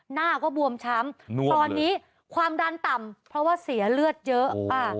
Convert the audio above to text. หน้าก็บวมช้ำตอนนี้ความดันต่ำเพราะว่าเสียเลือดเยอะ